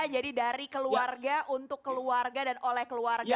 jadi dari keluarga untuk keluarga dan oleh keluarga